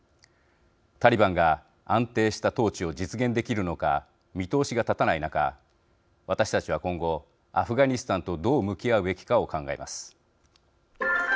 タリバンが安定した統治を実現できるのか見通しが立たない中私たちは今後アフガニスタンとどう向き合うべきかを考えます。